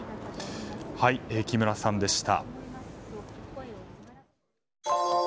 木村さんでした。